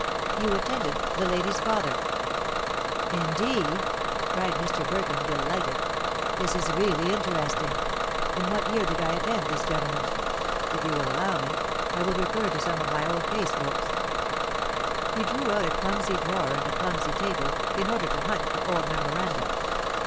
"You attended the lady's father." "Indeed!" cried Mr. Burkham, delighted. "This is really interesting. In what year did I attend this gentleman? If you will allow me, I will refer to some of my old case books." He drew out a clumsy drawer in the clumsy table, in order to hunt for old memoranda.